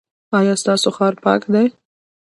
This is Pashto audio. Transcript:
ایا ستاسو ښار پاک دی؟